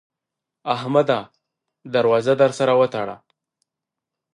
احمده! در وازه در سره وتړه.